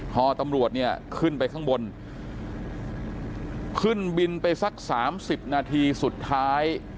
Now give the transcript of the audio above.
พอตำรวจเนี่ยขึ้นไปข้างบนขึ้นบินไปสักสามสิบนาทีสุดท้าย